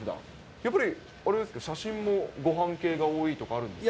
やっぱり写真もごはん系が多いとかあるんですか？